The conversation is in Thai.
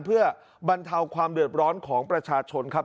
เพื่อบรรเทาความเดือดร้อนของประชาชนครับ